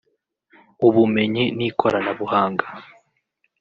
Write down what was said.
Ubumenyi n’Ikoranabuhanga